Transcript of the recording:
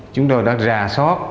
chúng tôi đã ra sót